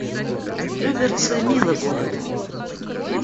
Люберцы — милый город